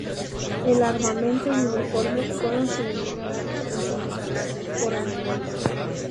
El armamento y uniformes fueron suministrados en su totalidad por Alemania.